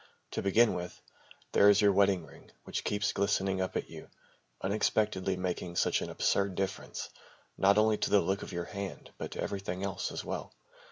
To begin with, there is your wedding ring which keeps glistening up at you, unexpectedly making such an absurd difference, not only to the look of your hand but to everything else, as well.